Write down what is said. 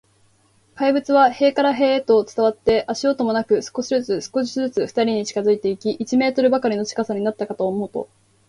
怪物は塀から塀へと伝わって、足音もなく、少しずつ、少しずつ、ふたりに近づいていき、一メートルばかりの近さになったかと思うと、